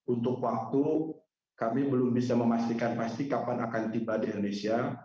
untuk waktu kami belum bisa memastikan pasti kapan akan tiba di indonesia